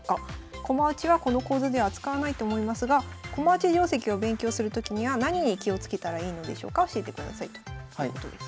駒落ちはこの講座では扱わないと思いますが駒落ち定跡を勉強するときには何に気をつけたらいいのでしょうか教えてください」ということです。